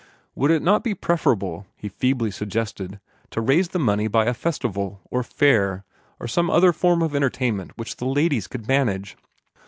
Would it not be preferable, he feebly suggested, to raise the money by a festival, or fair, or some other form of entertainment which the ladies could manage?